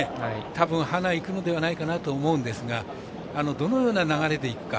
たぶんハナ行くのではないかと思いますがどのような流れでいくか。